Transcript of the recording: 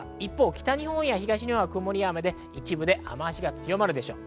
北日本や東日本は曇りや雨で一部雨脚が強まるでしょう。